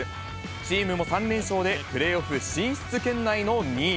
チームも３連勝で、プレーオフ進出圏内の２位。